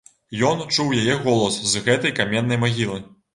Ён чуў яе голас з гэтай каменнай магілы.